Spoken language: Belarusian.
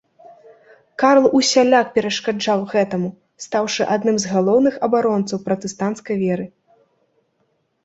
Карл усяляк перашкаджаў гэтаму, стаўшы адным з галоўных абаронцаў пратэстанцкай веры.